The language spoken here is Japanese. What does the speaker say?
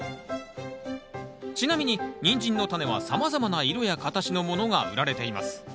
ちなみにニンジンのタネはさまざまな色や形のものが売られています。